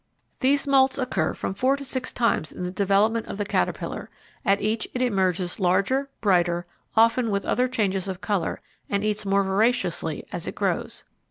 These moults occur from four to six times in the development of the caterpillar; at each it emerges larger, brighter, often with other changes of colour, and eats more voraciously as it grows.